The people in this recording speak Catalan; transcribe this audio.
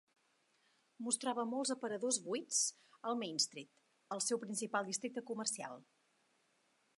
Mostrava molts aparadors buits al Main Street, el seu principal districte comercial.